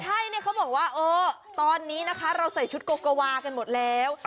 ใช่เนี่ยเขาบอกว่าเออตอนนี้นะคะเราใส่ชุดโกโกวากันหมดแล้ว